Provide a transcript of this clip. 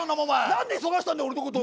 なんで急がせたんだ俺のこと。